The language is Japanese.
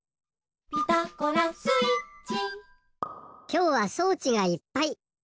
きょうは装置がいっぱい！